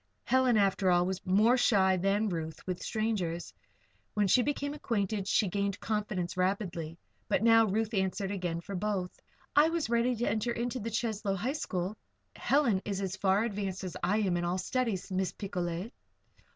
Helen, after all, was more shy than Ruth with strangers. When she became acquainted she gained confidence rapidly. But now Ruth answered again for both: "I was ready to enter the Cheslow High School; Helen is as far advanced as I am in all studies, Miss Picolet."